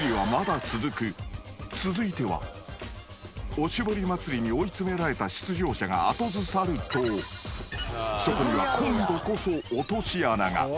［おしぼり祭りに追い詰められた出場者が後ずさるとそこには今度こそ落とし穴が］